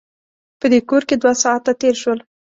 په دې کور کې دوه ساعته تېر شول.